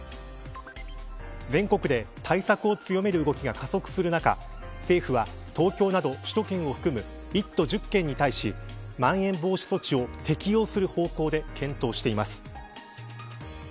全国で対策を強める動きが加速する中政府は、東京など首都圏を含む１都１０県に対しまん延防止措置を適用する方向で検討しています。